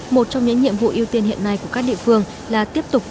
một trong những nhiệm vụ ưu tiên hiện nay của các địa phương là tiếp tục